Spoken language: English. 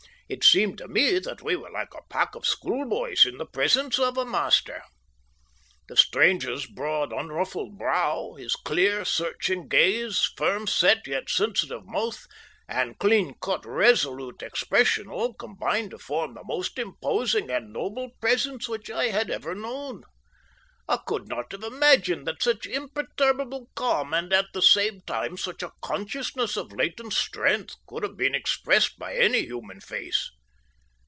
It seemed to me that we were like a pack of schoolboys in the presence of a master. The stranger's broad, unruffled brow, his clear, searching gaze, firm set yet sensitive mouth, and clean cut, resolute expression, all combined to form the most imposing and noble presence which I had ever known. I could not have imagined that such imperturbable calm and at the same time such a consciousness of latent strength could have been expressed by any human face.